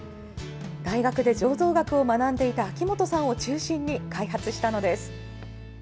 大学で醸造学を学んでいた秋元さんを中心に、開発したのです。